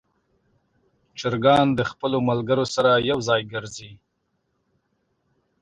چرګان د خپلو ملګرو سره یو ځای ګرځي.